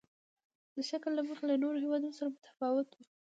د شکل له مخې له نورو هېوادونو سره متفاوت وو.